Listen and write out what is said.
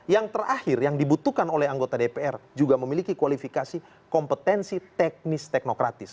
yang terakhir yang dibutuhkan oleh anggota dpr juga memiliki kualifikasi kompetensi teknis teknokratis